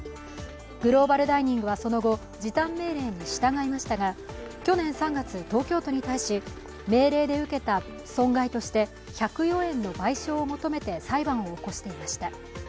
グローバルダイニングはその後、時短命令に従いましたが去年３月、東京都に対し命令で受けた損害として１０４円の賠償を求めて裁判を起こしていました。